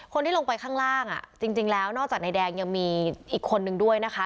คนที่ลงไปข้างล่างจริงแล้วนอกจากนายแดงยังมีอีกคนนึงด้วยนะคะ